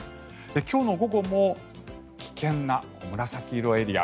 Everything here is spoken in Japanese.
今日の午後も危険な紫色エリア